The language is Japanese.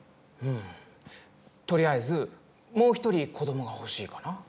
うん、とりあえずもう１人、子どもが欲しいかな。